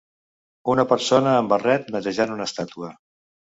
Una persona amb barret netejant una estàtua.